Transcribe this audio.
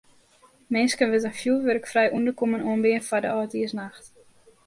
Minsken wurdt in fjoerwurkfrij ûnderkommen oanbean foar de âldjiersnacht.